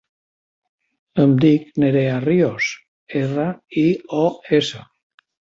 Em dic Nerea Rios: erra, i, o, essa.